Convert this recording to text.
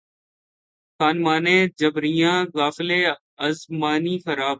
خانمانِ جبریانِ غافل از معنی خراب!